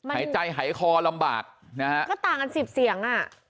หายใจหายคอลำบากก็ต่างกัน๑๐เสียง